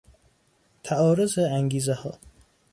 تعارض انگیزهها